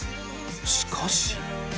しかし。